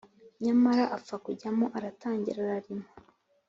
Nyamara apfa kujyamo aratangira ararima.